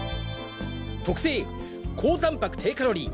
特製高たんぱく低カロリー！